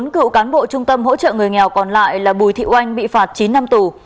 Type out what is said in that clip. bốn cựu cán bộ trung tâm hỗ trợ người nghèo còn lại là bùi thị oanh bị phạt chín năm tù